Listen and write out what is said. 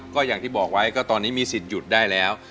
ก็อย่างที่บอกไว้ก็ตอนนี้มีสิทธิ์หยุดได้แล้ว